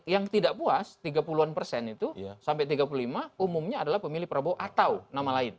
yang tidak puas tiga puluh an persen itu sampai tiga puluh lima umumnya adalah pemilih prabowo atau nama lain